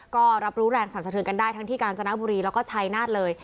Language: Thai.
ก็รับรู้แรงสรรสะเทือนกันได้ทั้งที่กาญจนบุรีแล้วก็ชัยนาฏเลย